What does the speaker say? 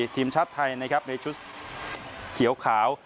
ทีมชาติไทยนะครับในชุดเขียวขาว